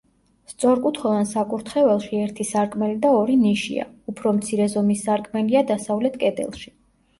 სწორკუთხოვან საკურთხეველში ერთი სარკმელი და ორი ნიშია, უფრო მცირე ზომის სარკმელია დასავლეთ კედელში.